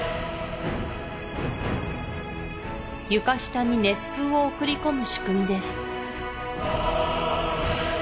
床下に熱風を送り込む仕組みです